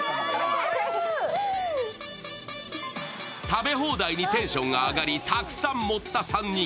食べ放題にテンションが上がりたくさん盛った３人。